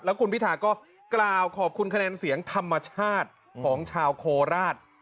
คุณพิธาก็กล่าวขอบคุณคะแนนเสียงธรรมชาติของชาวโคราช